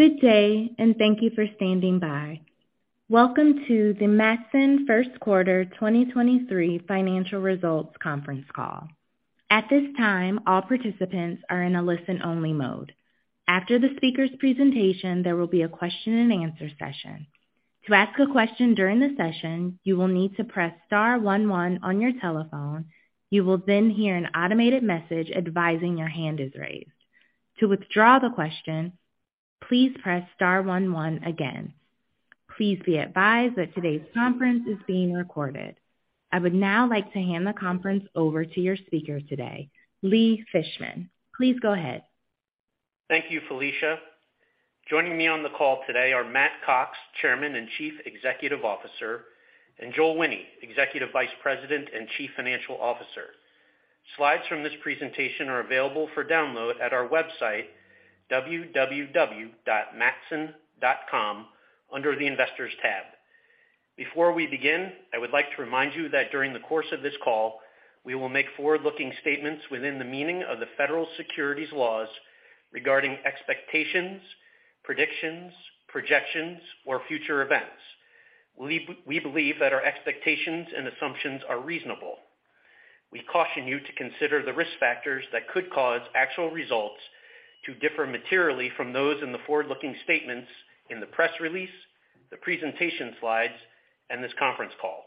Good day. Thank you for standing by. Welcome to the Matson First Quarter 2023 Financial Results Conference Call. At this time, all participants are in a listen only mode. After the speaker's presentation, there will be a question and answer session. To ask a question during the session, you will need to press star one one on your telephone. You will hear an automated message advising your hand is raised. To withdraw the question, please press star one one again. Please be advised that today's conference is being recorded. I would now like to hand the conference over to your speaker today, Lee Fishman. Please go ahead. Thank you, Felicia. Joining me on the call today are Matt Cox, Chairman and Chief Executive Officer, and Joel Wine, Executive Vice President and Chief Financial Officer. Slides from this presentation are available for download at our website, www.matson.com, under the Investors tab. Before we begin, I would like to remind you that during the course of this call, we will make forward-looking statements within the meaning of the federal securities laws regarding expectations, predictions, projections, or future events. We believe that our expectations and assumptions are reasonable. We caution you to consider the risk factors that could cause actual results to differ materially from those in the forward-looking statements in the press release, the presentation slides, and this conference call.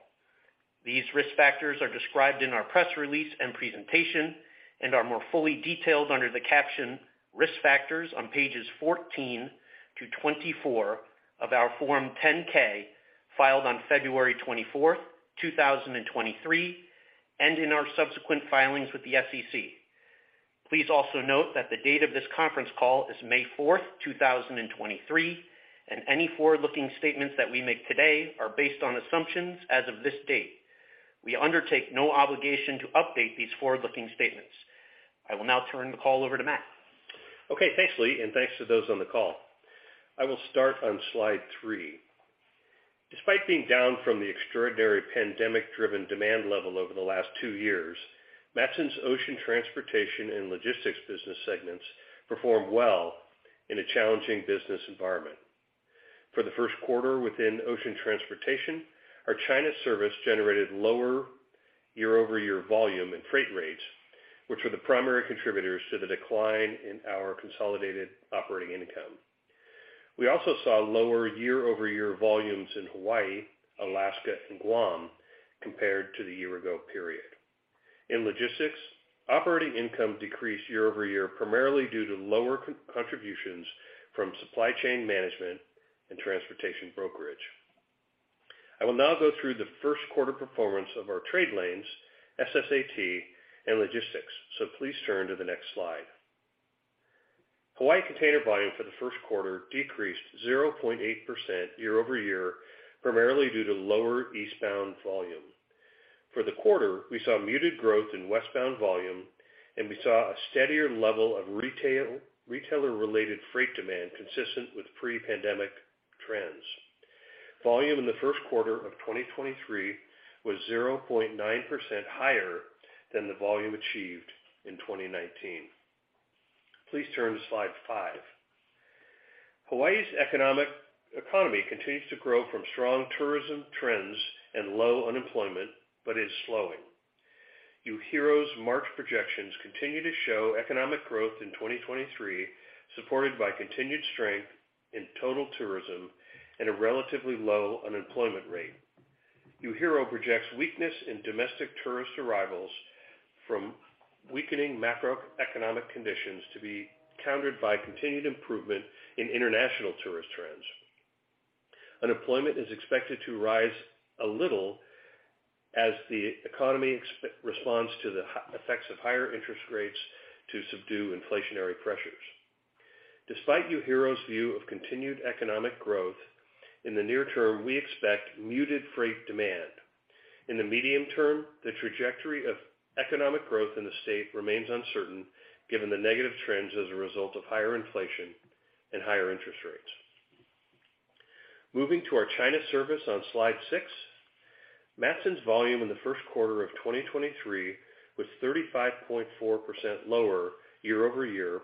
These risk factors are described in our press release and presentation and are more fully detailed under the caption Risk Factors on pages 14 to 24 of our Form 10-K filed on February 24th, 2023, and in our subsequent filings with the SEC. Please also note that the date of this conference call is May 4th, 2023, and any forward-looking statements that we make today are based on assumptions as of this date. We undertake no obligation to update these forward looking statements. I will now turn the call over to Matt. Thanks, Lee, and thanks to those on the call. I will start on slide three. Despite being down from the extraordinary pandemic-driven demand level over the last two years, Matson's ocean transportation and logistics business segments performed well in a challenging business environment. For the first quarter within ocean transportation, our China service generated lower year-over-year volume and freight rates, which were the primary contributors to the decline in our consolidated operating income. We also saw lower year-over-year volumes in Hawaii, Alaska and Guam compared to the year ago period. In logistics, operating income decreased year-over-year, primarily due to lower contributions from supply chain management and transportation brokerage. I will now go through the first quarter performance of our trade lanes, SSAT, and logistics. Please turn to the next slide. Hawaii container volume for the first quarter decreased 0.8% year-over-year, primarily due to lower eastbound volume. For the quarter, we saw muted growth in westbound volume, and we saw a steadier level of retailer-related freight demand consistent with pre-pandemic trends. Volume in the first quarter of 2023 was 0.9% higher than the volume achieved in 2019. Please turn to slide five. Hawaii's economy continues to grow from strong tourism trends and low unemployment but is slowing. UHERO's March projections continue to show economic growth in 2023, supported by continued strength in total tourism and a relatively low unemployment rate. UHERO projects weakness in domestic tourist arrivals from weakening macroeconomic conditions to be countered by continued improvement in international tourist trends. Unemployment is expected to rise a little as the economy responds to the effects of higher interest rates to subdue inflationary pressures. Despite UHERO's view of continued economic growth in the near term, we expect muted freight demand. In the medium term, the trajectory of economic growth in the state remains uncertain given the negative trends as a result of higher inflation and higher interest rates. Moving to our China service on slide six, Matson's volume in the first quarter of 2023 was 35.4% lower year-over-year,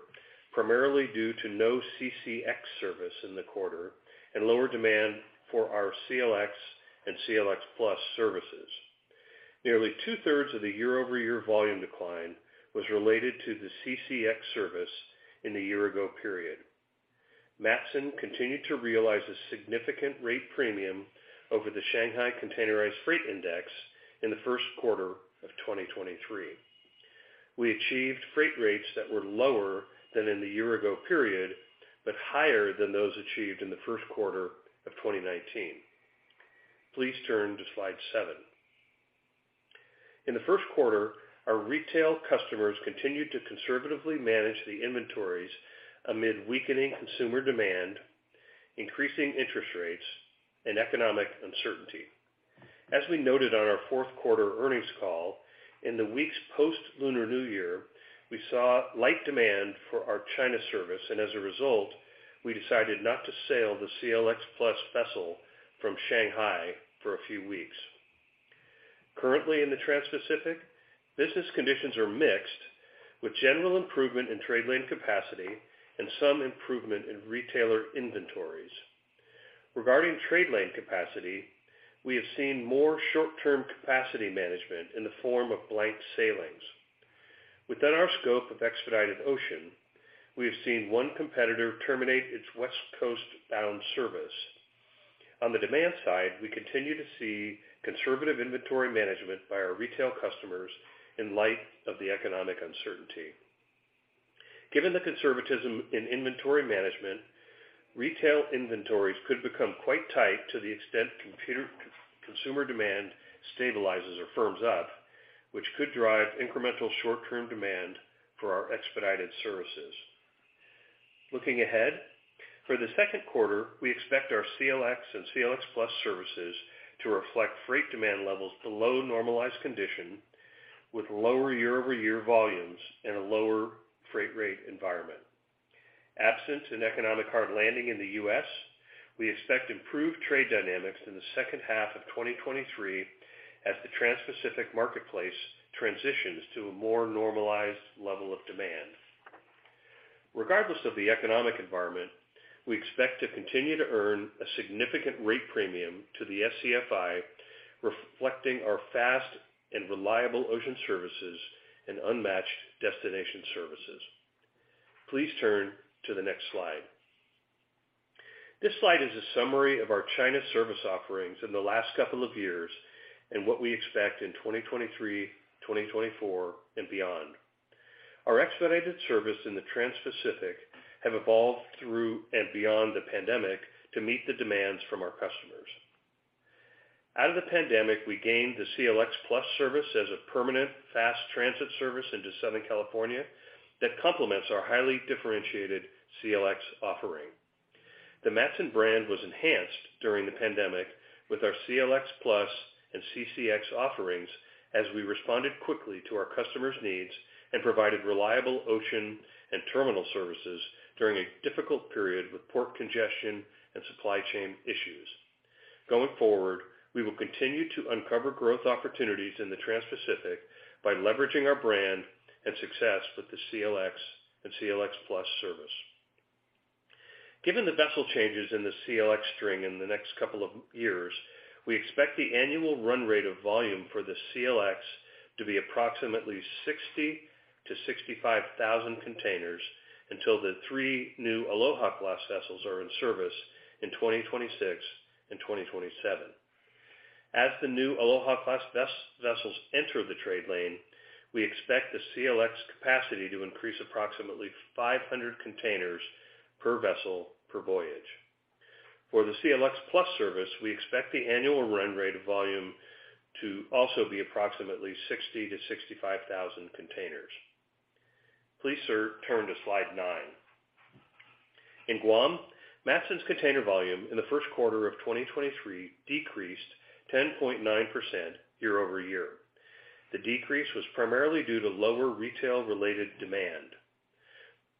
primarily due to no CCX service in the quarter and lower demand for our CLX and CLX+ services. Nearly two-thirds of the year-over-year volume decline was related to the CCX service in the year ago period. Matson continued to realize a significant rate premium over the Shanghai Containerized Freight Index in the first quarter of 2023. We achieved freight rates that were lower than in the year ago period, higher than those achieved in the first quarter of 2019. Please turn to slide seven. In the first quarter, our retail customers continued to conservatively manage the inventories amid weakening consumer demand, increasing interest rates, and economic uncertainty. As we noted on our fourth quarter earnings call in the weeks post-Lunar New Year, we saw light demand for our China service and as a result we decided not to sail the CLX Plus vessel from Shanghai for a few weeks. Currently in the Transpacific, business conditions are mixed, with general improvement in trade lane capacity and some improvement in retailer inventories. Regarding trade lane capacity, we have seen more short-term capacity management in the form of blank sailings. Within our scope of expedited ocean, we have seen one competitor terminate its West Coast-bound service. On the demand side, we continue to see conservative inventory management by our retail customers in light of the economic uncertainty. Given the conservatism in inventory management, retail inventories could become quite tight to the extent consumer demand stabilizes or firms up, which could drive incremental short-term demand for our expedited services. Looking ahead, for the second quarter, we expect our CLX and CLX+ services to reflect freight demand levels below normalized condition with lower year-over-year volumes and a lower freight rate environment. Absence in economic hard landing in the U.S., we expect improved trade dynamics in the second half of 2023 as the Transpacific marketplace transitions to a more normalized level of demand. Regardless of the economic environment, we expect to continue to earn a significant rate premium to the SCFI, reflecting our fast and reliable ocean services and unmatched destination services. Please turn to the next slide. This slide is a summary of our China service offerings in the last couple of years and what we expect in 2023, 2024 and beyond. Our expedited service in the Transpacific have evolved through and beyond the pandemic to meet the demands from our customers. Out of the pandemic, we gained the CLX+ service as a permanent fast transit service into Southern California that complements our highly differentiated CLX offering. The Matson brand was enhanced during the pandemic with our CLX+ and CCX offerings as we responded quickly to our customers' needs and provided reliable ocean and terminal services during a difficult period with port congestion and supply chain issues. Going forward, we will continue to uncover growth opportunities in the Transpacific by leveraging our brand and success with the CLX and CLX+ service. Given the vessel changes in the CLX string in the next couple of years, we expect the annual run rate of volume for the CLX to be approximately 60,000-65,000 containers until the three new Aloha Class vessels are in service in 2026 and 2027. As the new Aloha Class vessels enter the trade lane, we expect the CLX capacity to increase approximately 500 containers per vessel per voyage. For the CLX+ service, we expect the annual run rate of volume to also be approximately 60,000-65,000 containers. Please turn to slide nine. In Guam, Matson's container volume in the first quarter of 2023 decreased 10.9% year-over-year. The decrease was primarily due to lower retail-related demand.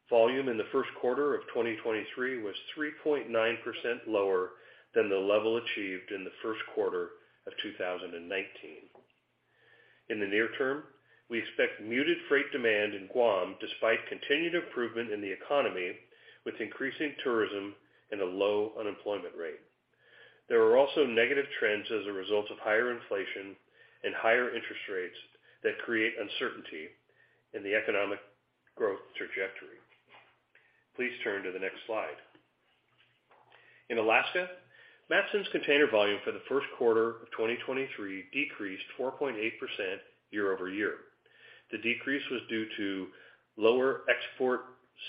Volume in the first quarter of 2023 was 3.9% lower than the level achieved in the first quarter of 2019. In the near term, we expect muted freight demand in Guam despite continued improvement in the economy, with increasing tourism and a low unemployment rate. There are also negative trends as a result of higher inflation and higher interest rates that create uncertainty in the economic growth trajectory. Please turn to the next slide. In Alaska, Matson's container volume for the first quarter of 2023 decreased 4.8% year-over-year. The decrease was due to lower export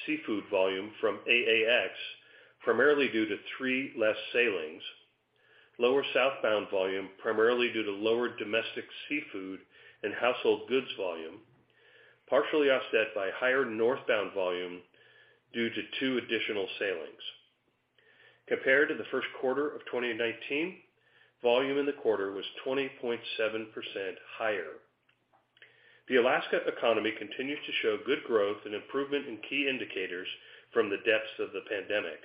seafood volume from AAX, primarily due to three less sailings, lower southbound volume, primarily due to lower domestic seafood and household goods volume, partially offset by higher northbound volume due to two additional sailings. Compared to the first quarter of 2019, volume in the quarter was 20.7% higher. The Alaska economy continues to show good growth and improvement in key indicators from the depths of the pandemic.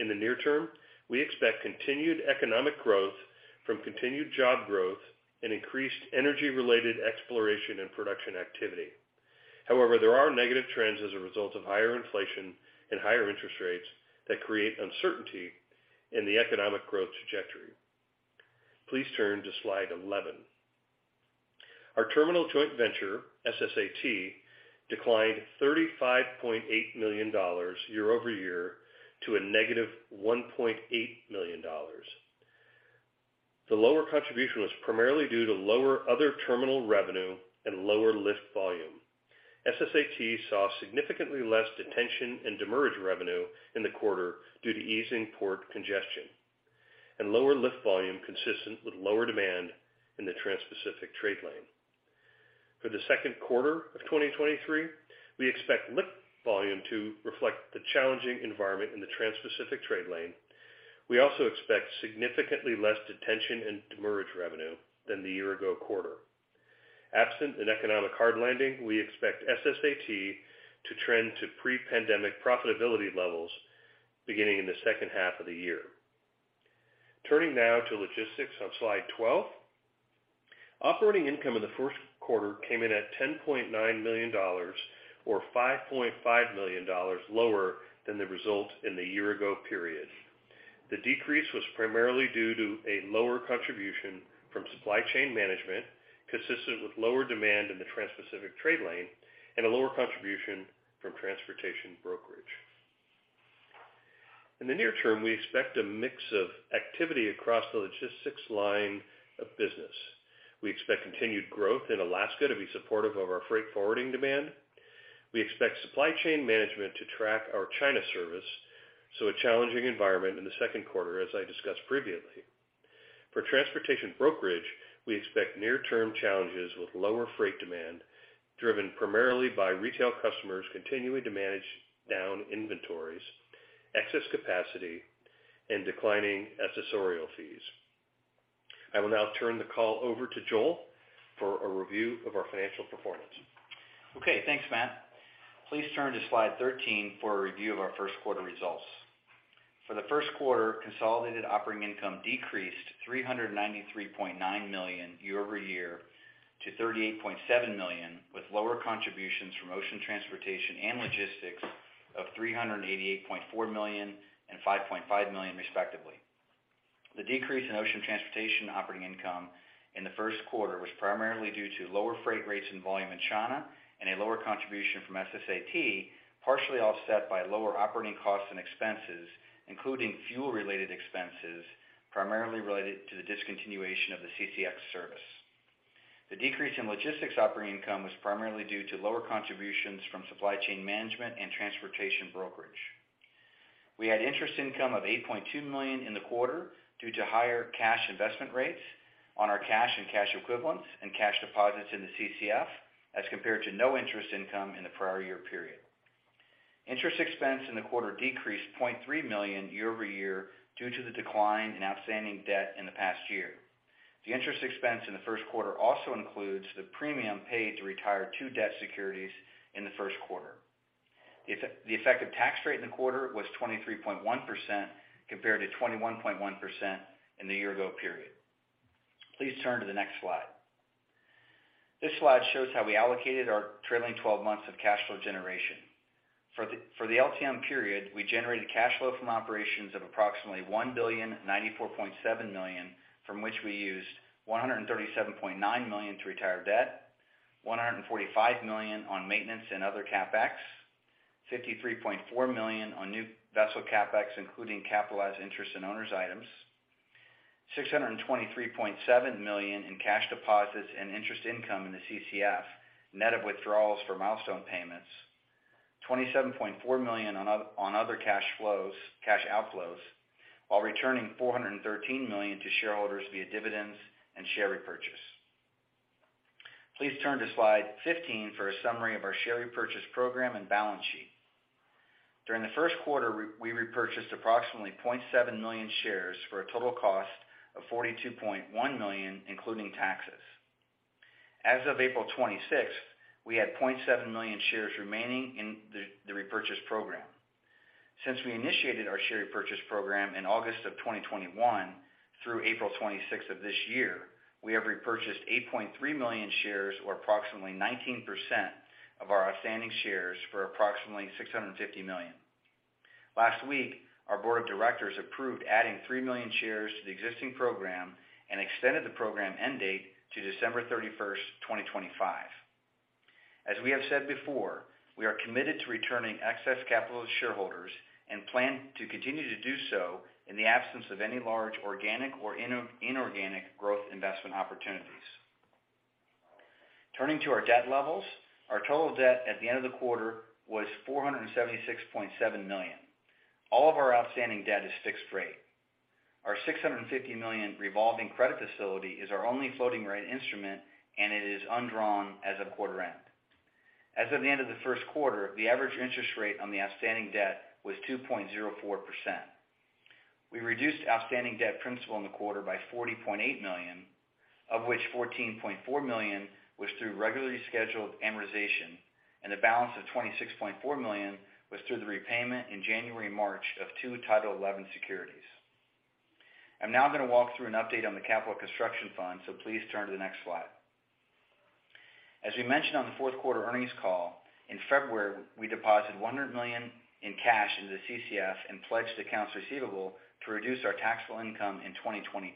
In the near term, we expect continued economic growth from continued job growth and increased energy-related exploration and production activity. There are negative trends as a result of higher inflation and higher interest rates that create uncertainty in the economic growth trajectory. Please turn to slide 11. Our terminal joint venture, SSAT, declined $35.8 million year-over-year to a negative $1.8 million. The lower contribution was primarily due to lower other terminal revenue and lower lift volume. SSAT saw significantly less detention and demurrage revenue in the quarter due to easing port congestion and lower lift volume consistent with lower demand in the Transpacific trade lane. For the second quarter of 2023, we expect lift volume to reflect the challenging environment in the Transpacific trade lane. We also expect significantly less detention and demurrage revenue than the year-ago quarter. Absent an economic hard landing, we expect SSAT to trend to pre-pandemic profitability levels beginning in the second half of the year. Turning now to logistics on slide 12. Operating income in the first quarter came in at $10.9 million or $5.5 million lower than the result in the year-ago period. The decrease was primarily due to a lower contribution from supply chain management, consistent with lower demand in the Transpacific trade lane and a lower contribution from transportation brokerage. In the near term, we expect a mix of activity across the logistics line of business. We expect continued growth in Alaska to be supportive of our freight forwarding demand. We expect supply chain management to track our China service, so a challenging environment in the second quarter, as I discussed previously. For transportation brokerage, we expect near-term challenges with lower freight demand, driven primarily by retail customers continuing to manage down inventories, excess capacity, and declining accessorial fees. I will now turn the call over to Joel for a review of our financial performance. Thanks, Matt. Please turn to slide 13 for a review of our first quarter results. For the first quarter, consolidated operating income decreased $393.9 million year-over-year to $38.7 million, with lower contributions from ocean transportation and logistics of $388.4 million and $5.5 million, respectively. The decrease in ocean transportation operating income in the first quarter was primarily due to lower freight rates and volume in China and a lower contribution from SSAT, partially offset by lower operating costs and expenses, including fuel-related expenses, primarily related to the discontinuation of the CCX service. The decrease in logistics operating income was primarily due to lower contributions from supply chain management and transportation brokerage. We had interest income of $8.2 million in the quarter due to higher cash investment rates on our cash and cash equivalents and cash deposits in the CCF as compared to no interest income in the prior year period. Interest expense in the quarter decreased $0.3 million year-over-year due to the decline in outstanding debt in the past year. The interest expense in the first quarter also includes the premium paid to retire two debt securities in the first quarter. If the effective tax rate in the quarter was 23.1% compared to 21.1% in the year-ago period. Please turn to the next slide. This slide shows how we allocated our trailing 12 months of cash flow generation. For the LTM period, we generated cash flow from operations of approximately $1,094.7 million, from which we used $137.9 million to retire debt, $145 million on maintenance and other CapEx, $53.4 million on new vessel CapEx, including capitalized interest and owners items, $623.7 million in cash deposits and interest income in the CCF, net of withdrawals for milestone payments, $27.4 million on other cash flows, cash outflows, while returning $413 million to shareholders via dividends and share repurchase. Please turn to slide 15 for a summary of our share repurchase program and balance sheet. During the first quarter, we repurchased approximately 0.7 million shares for a total cost of $42.1 million including taxes. As of April 26th, we had 0.7 million shares remaining in the repurchase program. Since we initiated our share repurchase program in August 2021 through April 26th of this year, we have repurchased 8.3 million shares, or approximately 19% of our outstanding shares for approximately $650 million. Last week, our board of directors approved adding 3 million shares to the existing program and extended the program end date to December 31st, 2025. As we have said before, we are committed to returning excess capital to shareholders and plan to continue to do so in the absence of any large organic or inorganic growth investment opportunities. Turning to our debt levels, our total debt at the end of the quarter was $476.7 million. All of our outstanding debt is fixed rate. Our $650 million revolving credit facility is our only floating rate instrument. It is undrawn as of quarter end. As of the end of the first quarter, the average interest rate on the outstanding debt was 2.04%. We reduced outstanding debt principal in the quarter by $40.8 million, of which $14.4 million was through regularly scheduled amortization. A balance of $26.4 million was through the repayment in January and March of two Title XI securities. I'm now gonna walk through an update on the Capital Construction Fund. Please turn to the next slide. As we mentioned on the fourth quarter earnings call, in February, we deposited $100 million in cash into the CCF and pledged accounts receivable to reduce our taxable income in 2022.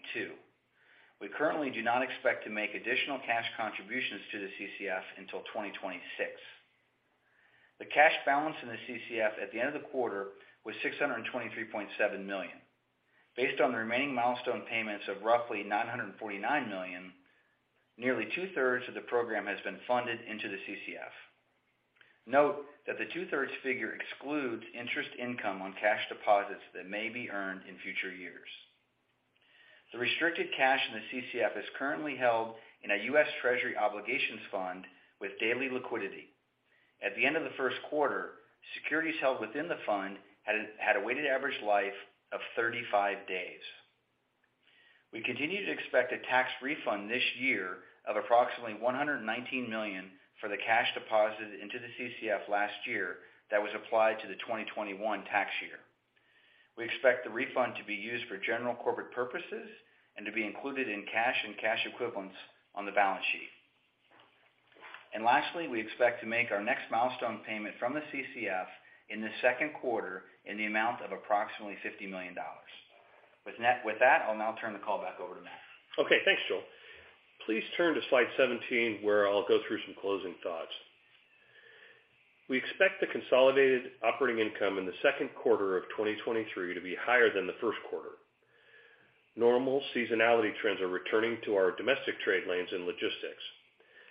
We currently do not expect to make additional cash contributions to the CCF until 2026. The cash balance in the CCF at the end of the quarter was $623.7 million. Based on the remaining milestone payments of roughly $949 million, nearly two-thirds of the program has been funded into the CCF. Note that the two-thirds figure excludes interest income on cash deposits that may be earned in future years. The restricted cash in the CCF is currently held in a U.S. Treasury obligations fund with daily liquidity. At the end of the first quarter, securities held within the fund had a weighted average life of 35 days. We continue to expect a tax refund this year of approximately $119 million for the cash deposited into the CCF last year that was applied to the 2021 tax year. We expect the refund to be used for general corporate purposes and to be included in cash and cash equivalents on the balance sheet. Lastly, we expect to make our next milestone payment from the CCF in the second quarter in the amount of approximately $50 million. With that, I'll now turn the call back over to Matt. Okay, thanks, Joel. Please turn to slide 17, where I'll go through some closing thoughts. We expect the consolidated operating income in the second quarter of 2023 to be higher than the first quarter. Normal seasonality trends are returning to our domestic trade lanes and logistics.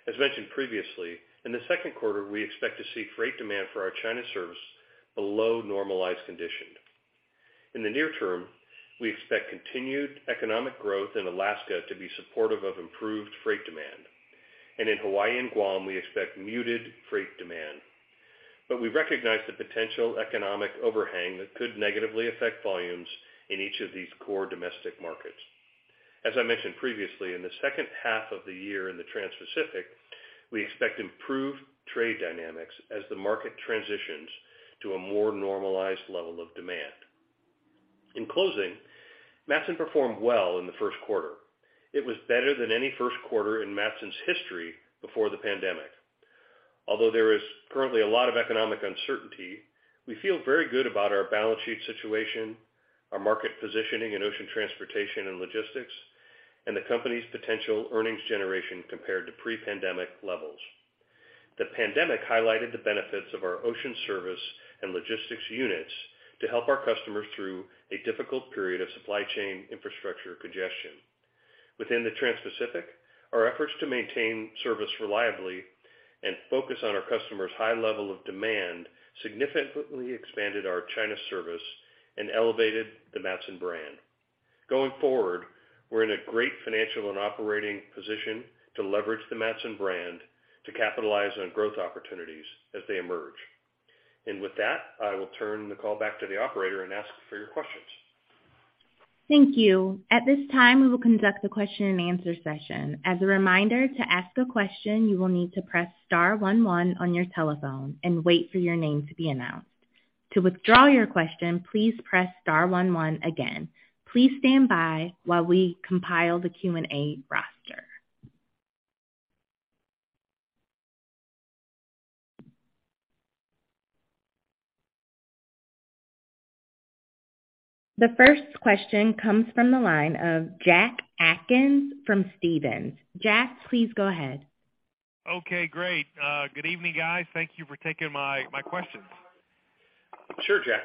As mentioned previously, in the second quarter we expect to see freight demand for our China service below normalized condition. In the near term, we expect continued economic growth in Alaska to be supportive of improved freight demand. In Hawaii and Guam we expect muted freight demand. We recognize the potential economic overhang that could negatively affect volumes in each of these core domestic markets. As I mentioned previously, in the second half of the year in the Transpacific we expect improved trade dynamics as the market transitions to a more normalized level of demand. In closing, Matson performed well in the first quarter. It was better than any first quarter in Matson's history before the pandemic. Although there is currently a lot of economic uncertainty, we feel very good about our balance sheet situation, our market positioning in ocean transportation and logistics, and the company's potential earnings generation compared to pre-pandemic levels. The pandemic highlighted the benefits of our ocean service and logistics units to help our customers through a difficult period of supply chain infrastructure congestion. Within the Transpacific, our efforts to maintain service reliably and focus on our customers' high level of demand significantly expanded our China service and elevated the Matson brand. Going forward, we're in a great financial and operating position to leverage the Matson brand to capitalize on growth opportunities as they emerge. With that, I will turn the call back to the operator and ask for your questions. Thank you. At this time, we will conduct a question and answer session. As a reminder, to ask a question, you will need to press star one one on your telephone and wait for your name to be announced. To withdraw your question, please press star one one again. Please stand by while we compile the Q and A roster. The first question comes from the line of Jack Atkins from Stephens. Jack, please go ahead. Okay, great. Good evening, guys. Thank you for taking my questions. Sure, Jack.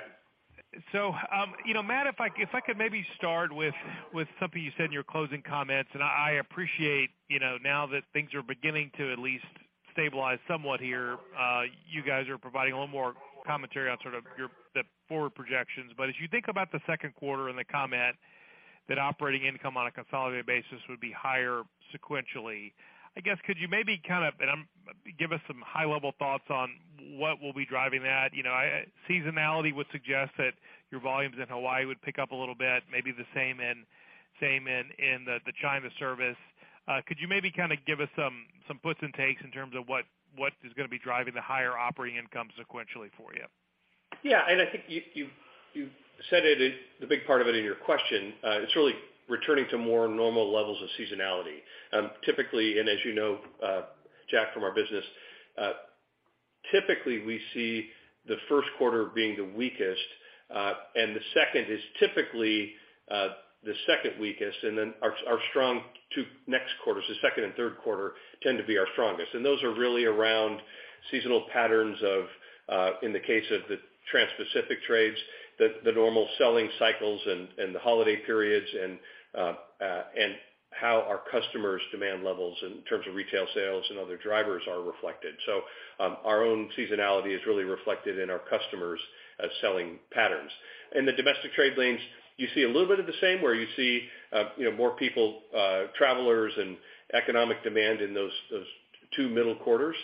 Matt, if I, if I could maybe start with something you said in your closing comments, and I appreciate, you know, now that things are beginning to at least stabilize somewhat here, you guys are providing a little more commentary on sort of the forward projections. As you think about the second quarter and the comment that operating income on a consolidated basis would be higher sequentially, I guess, could you maybe kind of, give us some high-level thoughts on what will be driving that? Seasonality would suggest that your volumes in Hawaii would pick up a little bit, maybe the same in the China service. Could you maybe kind of give us some puts and takes in terms of what is going to be driving the higher operating income sequentially for you? Yeah. I think you said it in the big part of it in your question. It's really returning to more normal levels of seasonality. Typically and as Jack from our business, typically, we see the first quarter being the weakest, and the second is typically the second weakest, and then our strong two next quarters, the second and third quarter tend to be our strongest. Those are really around seasonal patterns of, in the case of the Transpacific trades, the normal selling cycles and the holiday periods and how our customers' demand levels in terms of retail sales and other drivers are reflected. Our own seasonality is really reflected in our customers' selling patterns. In the domestic trade lanes, you see a little bit of the same where you see more people, travelers and economic demand in those two middle quarters,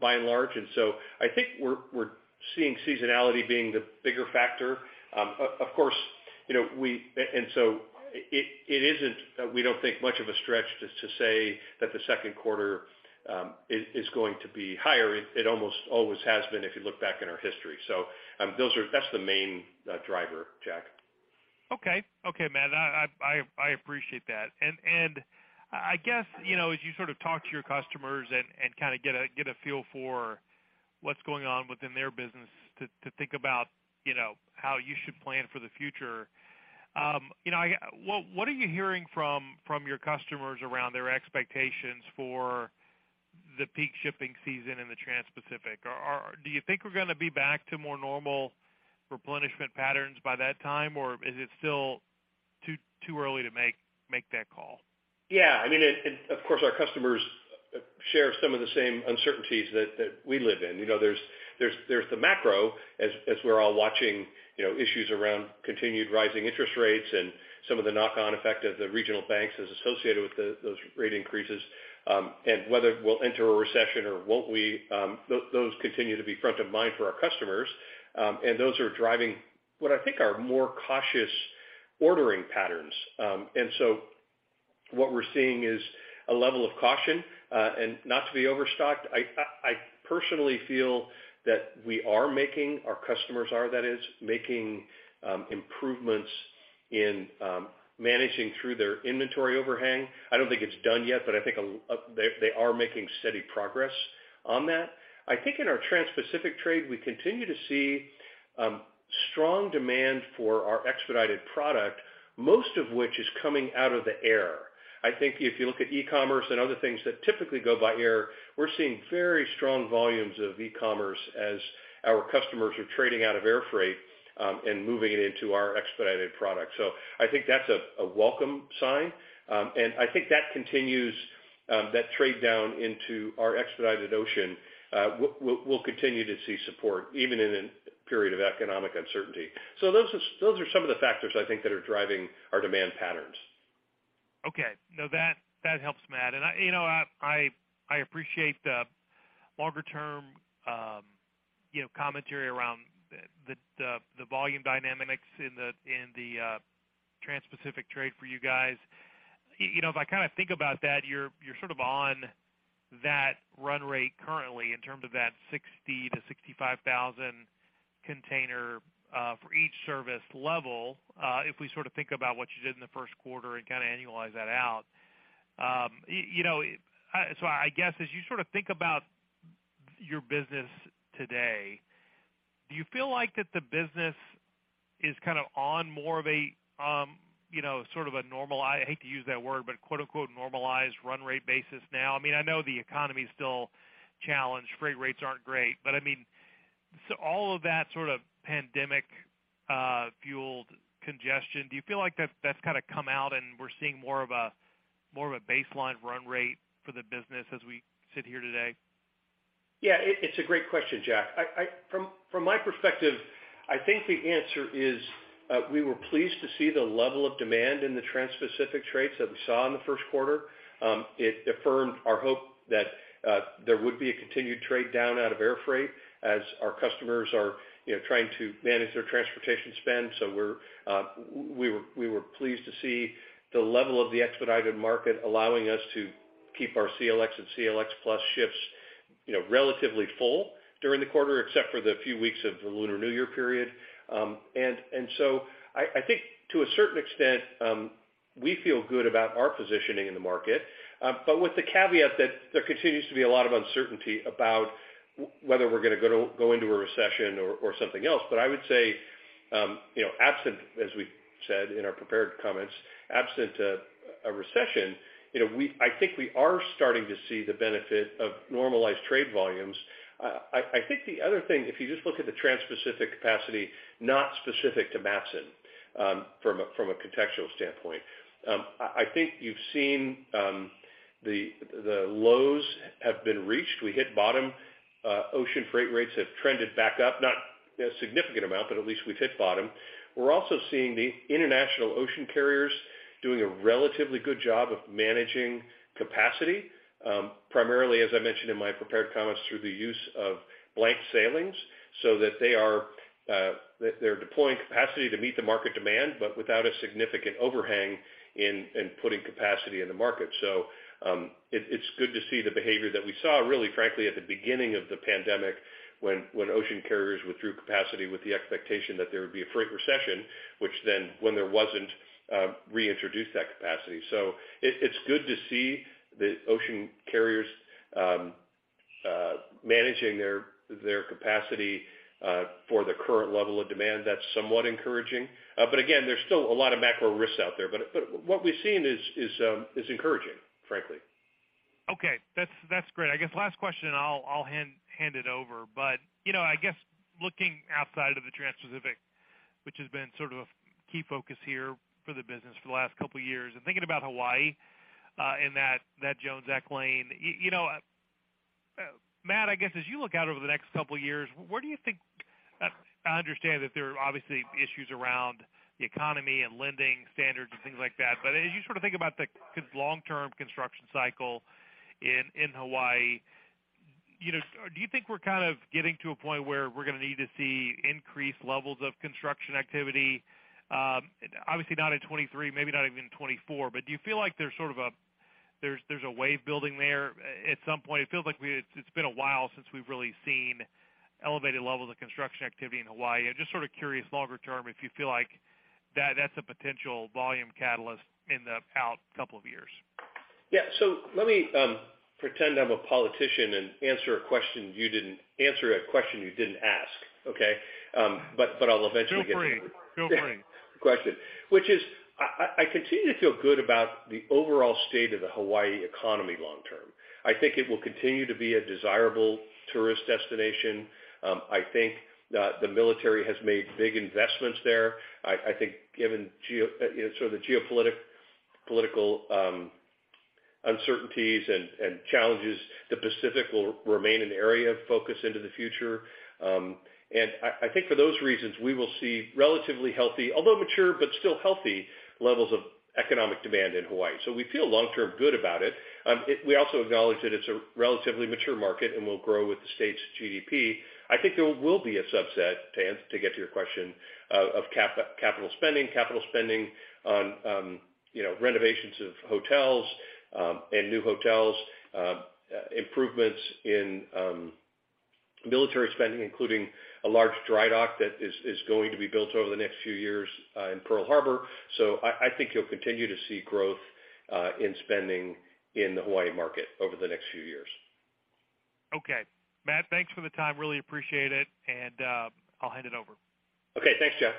by and large. I think we're seeing seasonality being the bigger factor. Of course, it isn't, we don't think much of a stretch to say that the second quarter is going to be higher. It almost always has been if you look back in our history. That's the main driver, Jack. Okay, Matt. I appreciate that. And I guess, you know, as you sort of talk to your customers and kind of get a feel for what's going on within their business to think about, you know, how you should plan for the future, you know, what are you hearing from your customers around their expectations for the peak shipping season in the Transpacific? Are do you think we're gonna be back to more normal replenishment patterns by that time, or is it still too early to make that call? Yeah. I mean, of course, our customers share some of the same uncertainties that we live in. You know, there's the macro as we're all watching, you know, issues around continued rising interest rates and some of the knock-on effect of the regional banks as associated with those rate increases, and whether we'll enter a recession or won't we. Those continue to be front of mind for our customers, and those are driving what I think are more cautious ordering patterns. What we're seeing is a level of caution and not to be overstocked. I personally feel that we are making, our customers are, that is, making improvements in managing through their inventory overhang. I don't think it's done yet, but I think they are making steady progress on that. I think in our transpacific trade, we continue to see strong demand for our expedited product, most of which is coming out of the air. I think if you look at e-commerce and other things that typically go by air, we're seeing very strong volumes of e-commerce as our customers are trading out of air freight and moving it into our expedited product. I think that's a welcome sign. I think that continues that trade down into our expedited ocean, we'll continue to see support even in an period of economic uncertainty. Those are some of the factors I think that are driving our demand patterns. Okay. No, that helps, Matt. I, you know, I appreciate the longer-term, you know, commentary around the volume dynamics in the transpacific trade for you guys. You know, if I kinda think about that, you're sort of on that run rate currently in terms of that 60,000-65,000 container for each service level, if we sort of think about what you did in the first quarter and kinda annualize that out. You know, I guess as you sort of think about your business today, do you feel like that the business is kind of on more of a, you know, sort of a normal, I hate to use that word, but quote, unquote, "normalized" run rate basis now? I mean, I know the economy is still challenged, freight rates aren't great. I mean, all of that sort of pandemic, fueled congestion, do you feel like that's kind of come out and we're seeing more of a, more of a baseline run rate for the business as we sit here today? It's a great question, Jack. From my perspective, I think the answer is, we were pleased to see the level of demand in the transpacific trades that we saw in the first quarter. It affirmed our hope that there would be a continued trade down out of air freight as our customers are, you know, trying to manage their transportation spend. We were pleased to see the level of the expedited market allowing us to keep our CLX and CLX+ ships, you know, relatively full during the quarter, except for the few weeks of the Lunar New Year period. I think to a certain extent, we feel good about our positioning in the market, but with the caveat that there continues to be a lot of uncertainty about whether we're going to go into a recession or something else. I would say, you know, absent, as we said in our prepared comments, absent a recession, you know, I think we are starting to see the benefit of normalized trade volumes. I think the other thing, if you just look at the transpacific capacity, not specific to Matson, from a contextual standpoint, I think you've seen the lows have been reached. We hit bottom. Ocean freight rates have trended back up, not a significant amount, but at least we've hit bottom. We're also seeing the international ocean carriers doing a relatively good job of managing capacity, primarily, as I mentioned in my prepared comments, through the use of blank sailings so that they are, they're deploying capacity to meet the market demand, but without a significant overhang in putting capacity in the market. It's good to see the behavior that we saw really, frankly, at the beginning of the pandemic when ocean carriers withdrew capacity with the expectation that there would be a freight recession, which then when there wasn't, reintroduced that capacity. It's good to see the ocean carriers managing their capacity for the current level of demand. That's somewhat encouraging. Again, there's still a lot of macro risks out there. What we've seen is encouraging, frankly. Okay. That's great. I guess last question and I'll hand it over. You know, I guess looking outside of the transpacific, which has been sort of a key focus here for the business for the last couple of years, and thinking about Hawaii, and that Jones Act lane, you know, Matt, I guess as you look out over the next couple of years, where do you think? I understand that there are obviously issues around the economy and lending standards and things like that. As you sort of think about the long-term construction cycle in Hawaii, you know, do you think we're kind of getting to a point where we're gonna need to see increased levels of construction activity? Obviously not in 2023, maybe not even in 2024. Do you feel like there's sort of a, there's a wave building there at some point? It feels like it's been a while since we've really seen elevated levels of construction activity in Hawaii. I'm just sort of curious longer term, if you feel like that's a potential volume catalyst in the out couple of years. Yeah. Let me pretend I'm a politician and answer a question you didn't ask, okay? I'll eventually get to. Feel free. Feel free. Question, which is I continue to feel good about the overall state of the Hawaii economy long term. I think it will continue to be a desirable tourist destination. I think that the military has made big investments there. I think given, you know, sort of the geopolitical uncertainties and challenges. The Pacific will remain an area of focus into the future. I think for those reasons, we will see relatively healthy, although mature, but still healthy levels of economic demand in Hawaii. We feel long-term good about it. We also acknowledge that it's a relatively mature market and will grow with the state's GDP. I think there will be a subset, Tan, to get to your question, of CapEx spending. Capital spending on, you know, renovations of hotels, and new hotels, improvements in, military spending, including a large dry dock that is going to be built over the next few years, in Pearl Harbor. I think you'll continue to see growth, in spending in the Hawaii market over the next few years. Okay. Matt, thanks for the time. Really appreciate it and I'll hand it over. Okay. Thanks, Jack.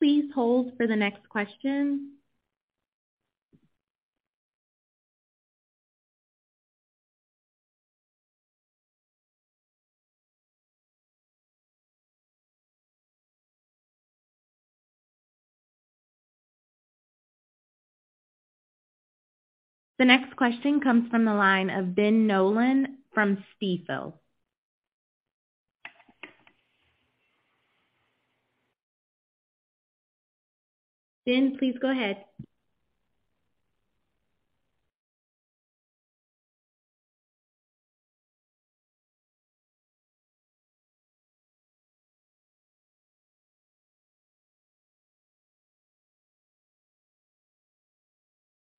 Please hold for the next question. The next question comes from the line of Ben Nolan from Stifel. Ben, please go ahead.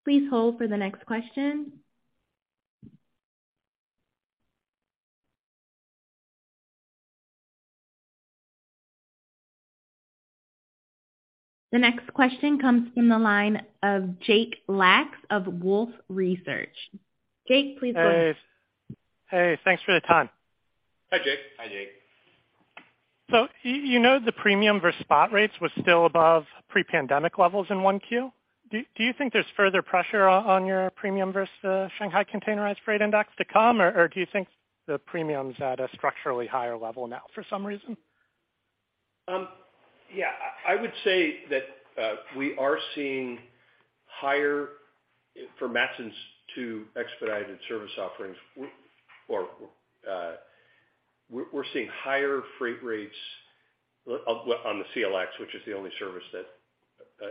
Please hold for the next question. The next question comes from the line of Jake Lacks of Wolfe Research. Jake, please go ahead. Hey. Hey, thanks for the time. Hi, Jake. Hi, Jake. You know the premium versus spot rates was still above pre-pandemic levels in 1Q. Do you think there's further pressure on your premium versus Shanghai Containerized Freight Index to come, or do you think the premium's at a structurally higher level now for some reason? Yeah. I would say that we are seeing higher for Matson's two expedited service offerings. We're seeing higher freight rates on the CLX, which is the only service that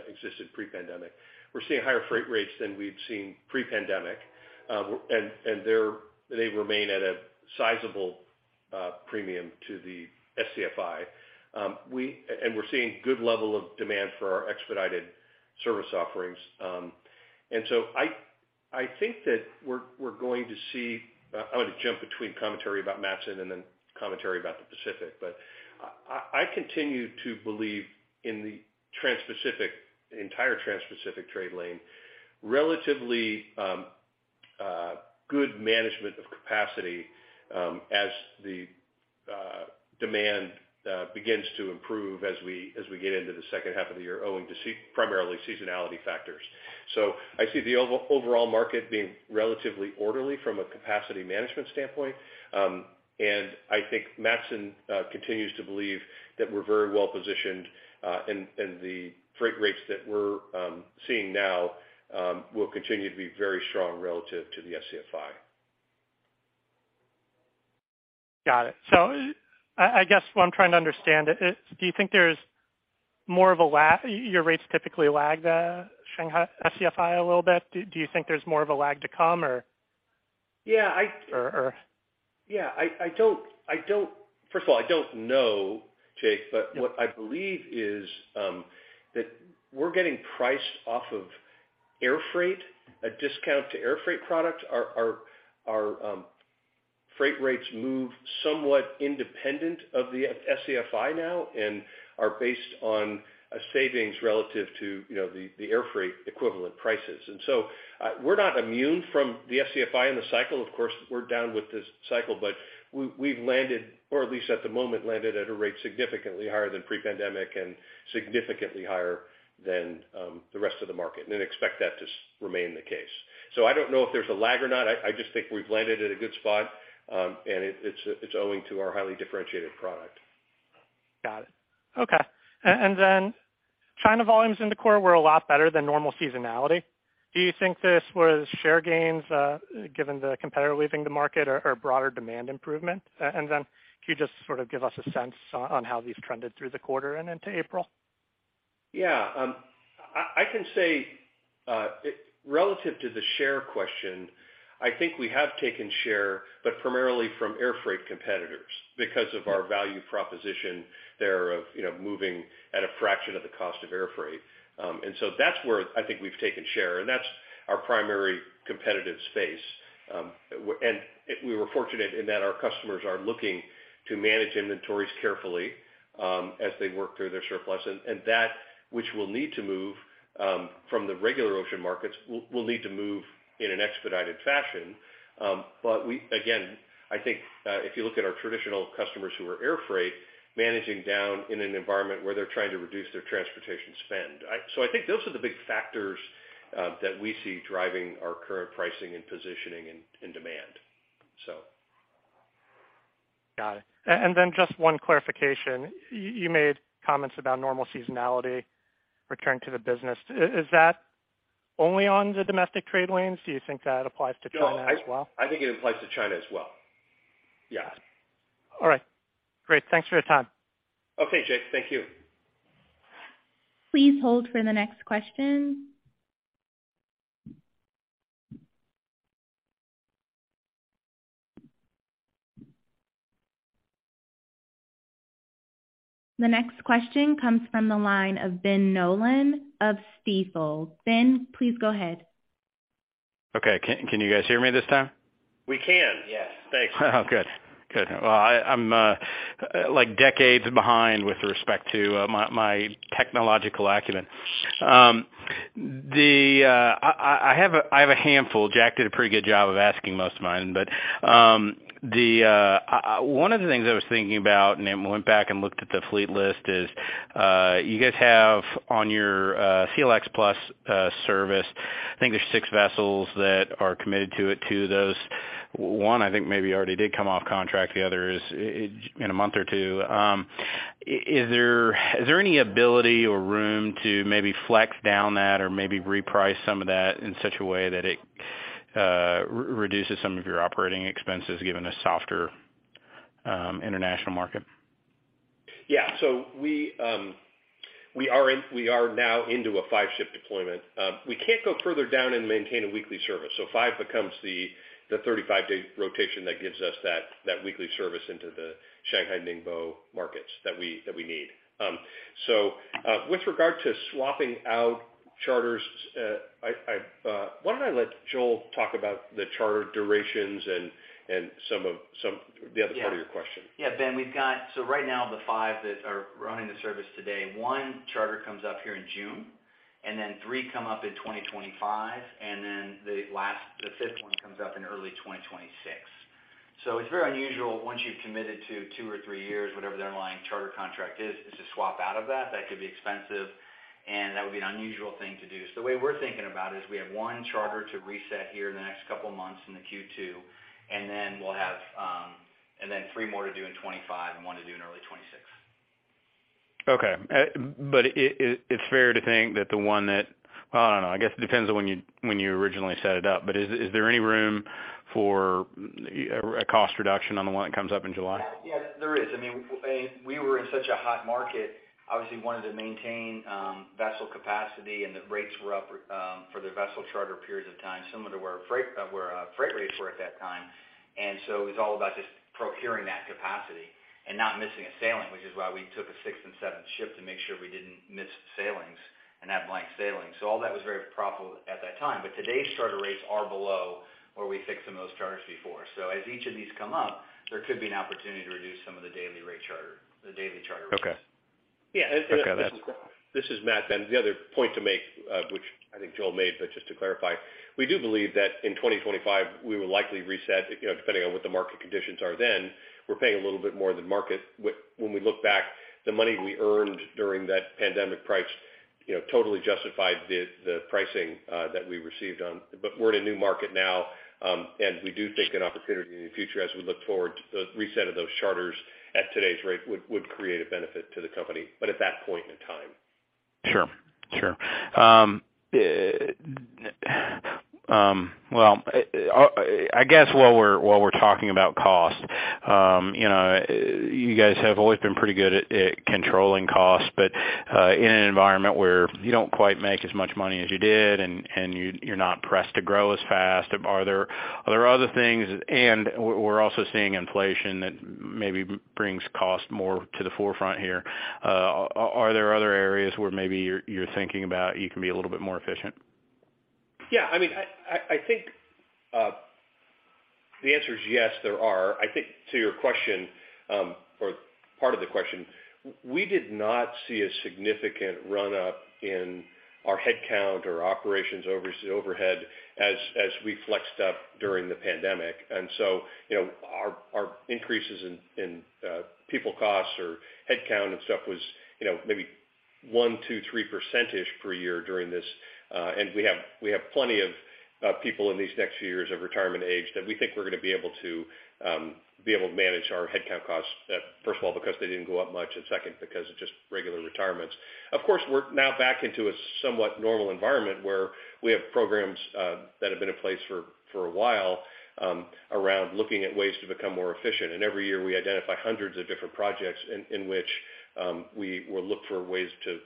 existed pre-pandemic. We're seeing higher freight rates than we'd seen pre-pandemic, and they're they remain at a sizable premium to the SCFI. We're seeing good level of demand for our expedited service offerings. I think that we're going to see I'm gonna jump between commentary about Matson and then commentary about the Pacific. I continue to believe in the Transpacific, the entire Transpacific trade lane, relatively good management of capacity as the demand begins to improve as we get into the second half of the year, owing to primarily seasonality factors. I see the overall market being relatively orderly from a capacity management standpoint. I think Matson continues to believe that we're very well positioned, and the freight rates that we're seeing now will continue to be very strong relative to the SCFI. Got it. I guess what I'm trying to understand is, do you think there's more of a lag? Your rates typically lag the Shanghai SCFI a little bit. Do you think there's more of a lag to come or? Yeah. Or, or- First of all, I don't know, Jake, but what I believe is that we're getting priced off of air freight, a discount to air freight products. Our freight rates move somewhat independent of the SCFI now and are based on a savings relative to, you know, the air freight equivalent prices. We're not immune from the SCFI and the cycle. Of course, we're down with this cycle, but we've landed, or at least at the moment, landed at a rate significantly higher than pre-pandemic and significantly higher than the rest of the market, and expect that to remain the case. I don't know if there's a lag or not. I just think we've landed at a good spot, and it's owing to our highly differentiated product. Got it. Okay. China volumes in the quarter were a lot better than normal seasonality. Do you think this was share gains, given the competitor leaving the market or broader demand improvement? Can you just sort of give us a sense on how these trended through the quarter and into April? Yeah. I can say relative to the share question, I think we have taken share, but primarily from air freight competitors because of our value proposition there of, you know, moving at a fraction of the cost of air freight. That's where I think we've taken share, and that's our primary competitive space. We were fortunate in that our customers are looking to manage inventories carefully as they work through their surplus. That which will need to move from the regular ocean markets, will need to move in an expedited fashion. We, again, I think, if you look at our traditional customers who are air freight, managing down in an environment where they're trying to reduce their transportation spend. I think those are the big factors that we see driving our current pricing and positioning and demand. Got it. Just 1 clarification. You made comments about normal seasonality returning to the business. Is that only on the domestic trade lanes? Do you think that applies to China as well? No, I think it applies to China as well. Yeah. All right, great. Thanks for your time. Okay, Jake. Thank you. Please hold for the next question. The next question comes from the line of Ben Nolan of Stifel. Ben, please go ahead. Okay. Can you guys hear me this time? We can. Yes. Thanks. Oh, good. Good. Well, I'm like decades behind with respect to my technological acumen. The I have a handful. Jack did a pretty good job of asking most of mine. The one of the things I was thinking about, and then went back and looked at the fleet list is you guys have on your CLX+ service, I think there's six vessels that are committed to those. One, I think maybe already did come off contract. The other is in a month or two. Is there any ability or room to maybe flex down that or maybe reprice some of that in such a way that it reduces some of your operating expenses given the softer international market? Yeah. We are now into a five ship deployment. We can't go further down and maintain a weekly service. Five becomes the 35-day rotation that gives us that weekly service into the Shanghai Ningbo markets that we, that we need. With regard to swapping out charters, I why don't I let Joel talk about the charter durations and some of the other part of your question. Yeah, Ben, we've got. Right now, the five that are running the service today, one charter comes up here in June, and then three come up in 2025, and then the last, the fifth one comes up in early 2026. It's very unusual, once you've committed to two or three years, whatever the underlying charter contract is to swap out of that. That could be expensive, and that would be an unusual thing to do. The way we're thinking about it is we have one charter to reset here in the next couple of months in the Q2, and then we'll have, and then three more to do in 2025 and one to do in early 2026. Okay. It's fair to think that the one that I don't know, I guess it depends on when you originally set it up. Is there any room for a cost reduction on the one that comes up in July? Yes. Yes, there is. I mean, we were in such a hot market, obviously wanted to maintain, vessel capacity, and the rates were up, for the vessel charter periods of time, similar to where freight rates were at that time. It was all about just procuring that capacity and not missing a sailing, which is why we took a sixth and seventh ship to make sure we didn't miss sailings and have blank sailing. All that was very profitable at that time. Today's charter rates are below where we fixed in those charters before. As each of these come up, there could be an opportunity to reduce some of the daily rate charter, the daily charter rates. Okay. Yeah. Okay. This is Matt then. The other point to make, which I think Joel made, but just to clarify, we do believe that in 2025, we will likely reset, you know, depending on what the market conditions are then. We're paying a little bit more than market. When we look back, the money we earned during that pandemic price, you know, totally justified the pricing that we received on. We're in a new market now, and we do think an opportunity in the future as we look forward to the reset of those charters at today's rate would create a benefit to the company, but at that point in time. Sure. Sure. Well, I guess while we're talking about cost, you guys have always been pretty good at controlling costs but in an environment where you don't quite make as much money as you did and you're not pressed to grow as fast, are there other things? We're also seeing inflation that maybe brings cost more to the forefront here. Are there other areas where maybe you're thinking about you can be a little bit more efficient? Yeah, I mean, I think the answer is yes, there are. I think to your question or part of the question, we did not see a significant run-up in our headcount or operations over-overhead as we flexed up during the pandemic. You know, our increases in people costs or headcount and stuff was, you know, maybe 1%, 2%, 3% per year during this. We have plenty of people in these next few years of retirement age that we think we're going to be able to be able to manage our headcount costs, first of all because they didn't go up much and second because of just regular retirements. Of course, we're now back into a somewhat normal environment where we have programs that have been in place for a while, around looking at ways to become more efficient. Every year, we identify hundreds of different projects in which we will look for ways to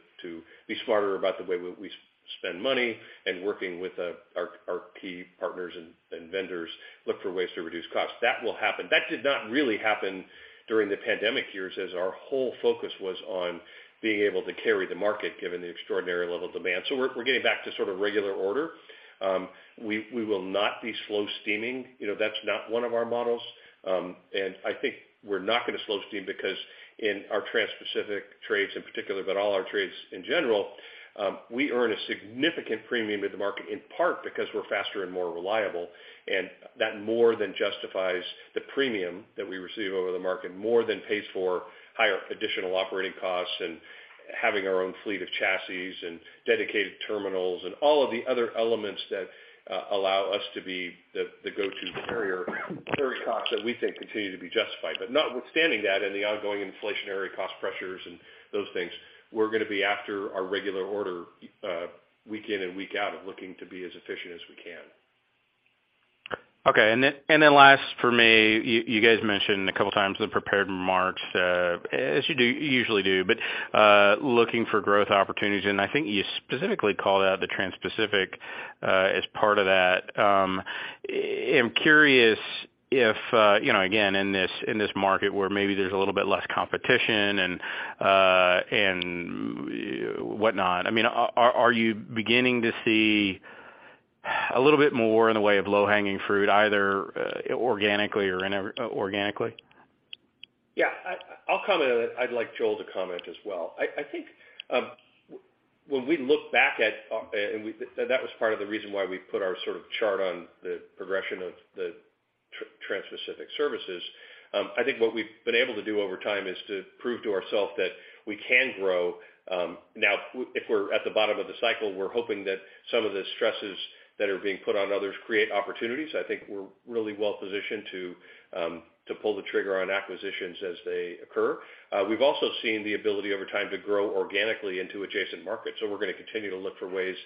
be smarter about the way we spend money and working with our key partners and vendors look for ways to reduce costs. That will happen. That did not really happen during the pandemic years, as our whole focus was on being able to carry the market given the extraordinary level of demand. We're getting back to sort of regular order. We will not be slow steaming. You know, that's not one of our models. I think we're not going to slow steam because in our Transpacific trades in particular, but all our trades in general. We earn a significant premium in the market, in part because we're faster and more reliable, and that more than justifies the premium that we receive over the market, more than pays for higher additional operating costs and having our own fleet of chassis and dedicated terminals and all of the other elements that allow us to be the go-to carrier. Carry costs that we think continue to be justified. Notwithstanding that and the ongoing inflationary cost pressures and those things, we're gonna be after our regular order, week in and week out of looking to be as efficient as we can. Okay. Then last for me, you guys mentioned a couple of times the prepared remarks, as you usually do, looking for growth opportunities. I think you specifically called out the Transpacific as part of that. I'm curious if again, in this market where maybe there's a little bit less competition and whatnot, I mean, are you beginning to see a little bit more in the way of low-hanging fruit, either organically or organically? Yeah. I'll comment on it. I'd like Joel to comment as well. I think when we look back at that was part of the reason why we put our sort of chart on the progression of the Transpacific services. I think what we've been able to do over time is to prove to ourselves that we can grow. Now if we're at the bottom of the cycle, we're hoping that some of the stresses that are being put on others create opportunities. I think we're really well-positioned to pull the trigger on acquisitions as they occur. We've also seen the ability over time to grow organically into adjacent markets. We're gonna continue to look for ways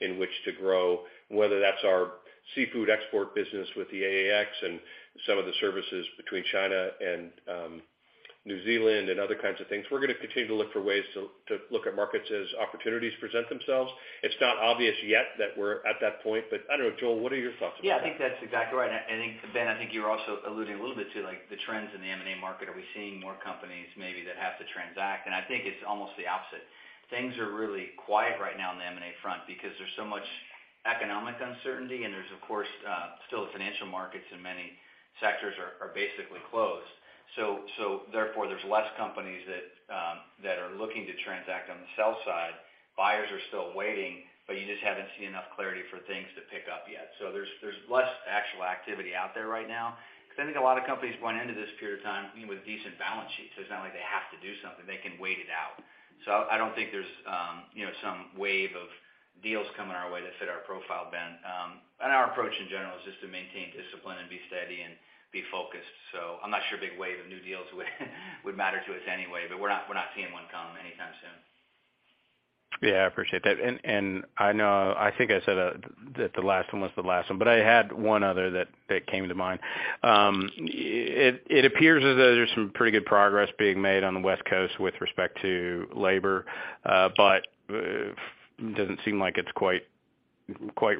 in which to grow, whether that's our seafood export business with the AAX and some of the services between China and New Zealand and other kinds of things. We're gonna continue to look for ways to look at markets as opportunities present themselves. It's not obvious yet that we're at that point, but I don't know. Joel, what are your thoughts about that? Yeah, I think that's exactly right. I think, Ben, I think you were also alluding a little bit to, like, the trends in the M&A market. Are we seeing more companies maybe that have to transact? I think it's almost the opposite. Things are really quiet right now on the M&A front because there's so much economic uncertainty and there's of course, still the financial markets in many sectors are basically closed. Therefore, there's less companies that are looking to transact on the sell side. Buyers are still waiting but you just haven't seen enough clarity for things to pick up yet. There's less actual activity out there right now because I think a lot of companies went into this period of time with decent balance sheets. It's not like they have to do something. They can wait it out. I don't think there's some wave of deals coming our way that fit our profile, Ben. Our approach in general is just to maintain discipline and be steady and be focused. I'm not sure a big wave of new deals would matter to us anyway but we're not seeing one come anytime soon. Yeah, I appreciate that. I know I think I said that the last one was the last one, but I had one other that came to mind. It appears as though there's some pretty good progress being made on the West Coast with respect to labor, but it doesn't seem like it's quite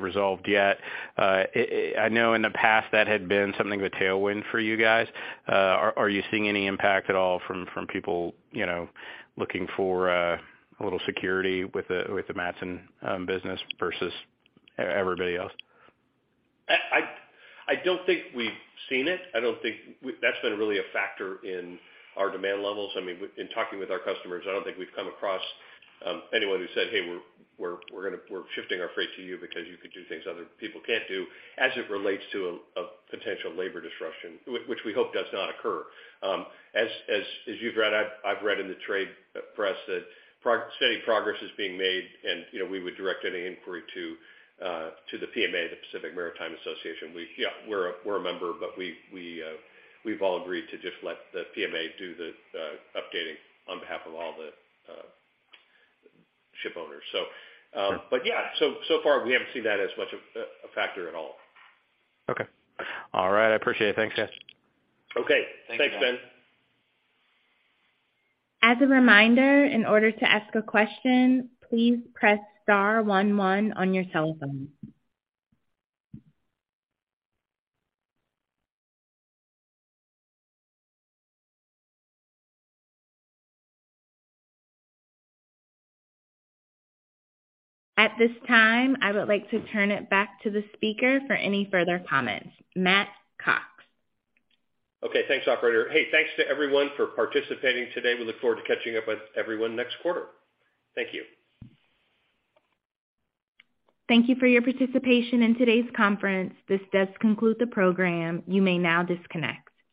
resolved yet. I know in the past that had been something of a tailwind for you guys. Are you seeing any impact at all from people looking for a little security with the Matson business versus everybody else? I don't think we've seen it. I don't think that's been really a factor in our demand levels. I mean, in talking with our customers I don't think we've come across anyone who said, "Hey, we're shifting our freight to you because you could do things other people can't do," as it relates to a potential labor disruption, which we hope does not occur. As you've read, I've read in the trade press that steady progress is being made and, you know, we would direct any inquiry to the PMA the Pacific Maritime Association. Yeah, we're a member, but we've all agreed to just let the PMA do the updating on behalf of all the ship owners. Sure. Yeah, so far we haven't seen that as much a factor at all. Okay. All right. I appreciate it. Thanks, guys. Okay. Thanks, Ben. Thanks, Ben. As a reminder, in order to ask a question, please press star one one on your cell phone. At this time, I would like to turn it back to the speaker for any further comments. Matt Cox. Okay, thanks, operator. Hey, thanks to everyone for participating today. We look forward to catching up with everyone next quarter. Thank you. Thank you for your participation in today's conference. This does conclude the program. You may now disconnect.